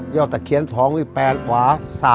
ยาวแต่เขียนทองนี่๘หว่า๓